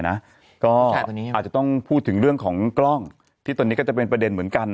อาจจะต้องพูดถึงเรื่องของกล้องที่ตอนนี้ก็จะเป็นประเด็นเหมือนกัน